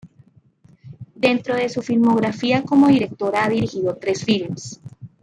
Dentro de su filmografía como directora ha dirigido tres films.